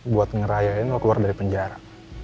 buat ngerayain mau keluar dari penjara